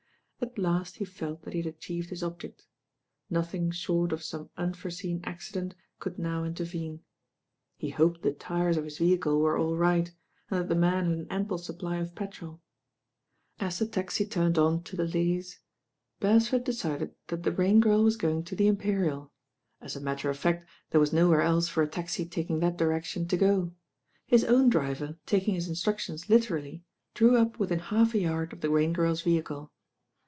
At last he felt that he had achieved his object. Nothing short of some unforeseen accident could now mteryene. He hoped the tyres of his vehicle were aU right, and that the man had an ample sup ply of petrol As the taxi turned on to the Leas. IM THE RAIN OIRL Bcrcsford decided that the Rain Girl was going to the Imperial. As, a matter of fact there was no where else for a taxi taking that direction to go. His own driver, taking his instructions literally, drew up within half a yard of the Rain Giri's vehicle.